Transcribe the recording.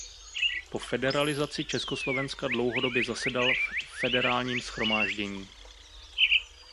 Po federalizaci Československa dlouhodobě zasedal v Federálním shromáždění.